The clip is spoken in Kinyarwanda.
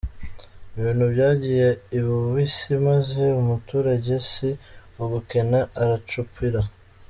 Ibintu byagiye ibubisi maze umuturage si ugukena aracupira.